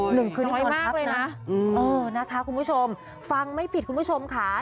หนึ่งคืนนี้เป็นภาพเลยนะเออนะคะคุณผู้ชมฟังไม่ผิดคุณผู้ชมค่ะ